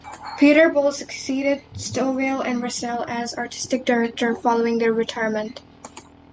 Peter Boal succeeded Stowell and Russell as Artistic Director following their retirement.